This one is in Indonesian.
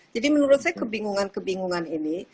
jadi menurut saya kebingungan kebingungan ini